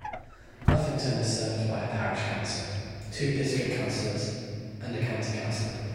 Uffington is served by a parish council, two District Councillors and a County Councillor.